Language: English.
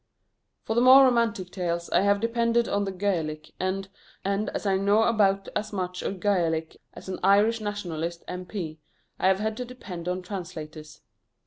For the more romantic tales I have depended on the Gaelic, and, as I know about as much of Gaelic as an Irish Nationalist M.P., I have had to depend on translators.